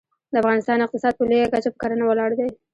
د افغانستان اقتصاد په لویه کچه په کرنه ولاړ دی